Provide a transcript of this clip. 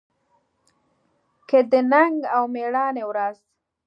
کې د ننګ او مېړانې ورځ